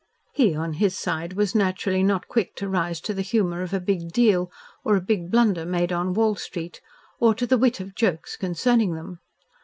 He on his side was naturally not quick to rise to the humour of a "big deal" or a big blunder made on Wall Street or to the wit of jokes concerning them.